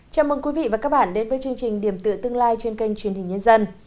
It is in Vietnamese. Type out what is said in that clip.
chào mừng quý vị và các bạn đến với chương trình điểm tựa tương lai trên kênh truyền hình nhân dân